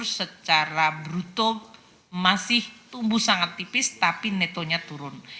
secara bruto masih tumbuh sangat tipis tapi netonya turun